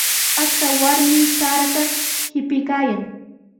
Achka warmi sarata tipiykaayan.